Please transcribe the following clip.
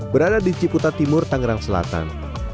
berada di ciputa timur tangerang selatan